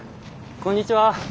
こんにちは。